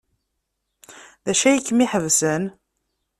D acu ay kem-iḥebsen?